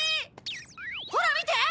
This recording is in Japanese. ほら見て！